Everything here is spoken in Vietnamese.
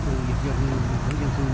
ở dịch dân xung quanh